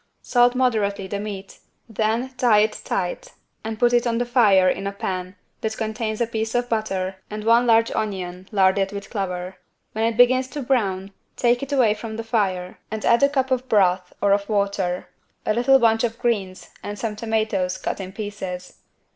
Salt moderately the meat then tie it tight and put it on the fire in a pan that contains a piece of butter and one large onion larded with clover. When it begins to brown, take it away from the fire and add a cup of broth, or of water, a little bunch of greens and some tomatoes cut in pieces.